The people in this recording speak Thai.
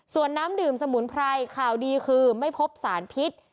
ส่วนน้ำดื่มสมุนไพรข่าวดีคือไม่พบสารพิษ